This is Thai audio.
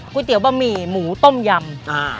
เตี๋ยบะหมี่หมูต้มยำ